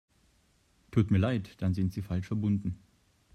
Tut mir leid, dann sind Sie falsch verbunden.